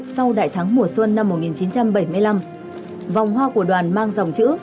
sau đại thắng mùa xuân năm một nghìn chín trăm bảy mươi năm vòng hoa của đoàn mang dòng chữ